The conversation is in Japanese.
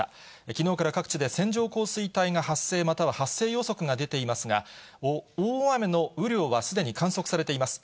きのうから各地で線状降水帯が発生または発生予測が出ていますが、大雨の雨量はすでに観測されています。